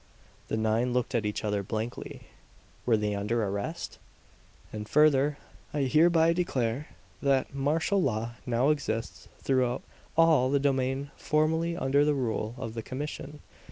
The nine looked at each other blankly. Were they under arrest? "And further, I hereby declare that martial law now exists throughout all the domain formerly under the rule of the commission!